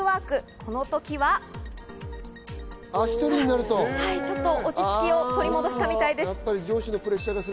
この時はちょっと落ち着きを取り戻したみたいです。